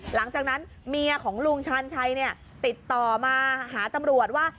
หลังจากนั้นเมียของลุงชาญชัยติดต่อมาหาตำรวจว่า